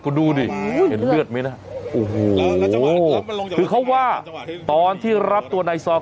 กุ้ดูดิเห็นเลือดมั้ยนะคือเขาว่าตอนที่รับตัวนายซอร์